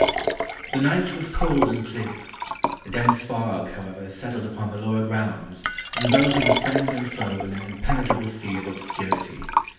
] The night was cold and clear. A dense fog, however, set tled upon the lower grounds, enveloping friend and foe in an impenetrable sea of obscurity.